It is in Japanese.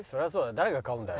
誰が買うんだよ。